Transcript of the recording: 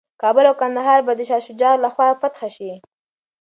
کابل او کندهار به د شاه شجاع لخوا فتح شي.